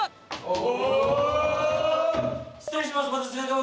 お！